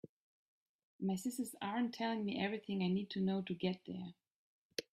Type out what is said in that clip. My sisters aren’t telling me everything I need to know to get there.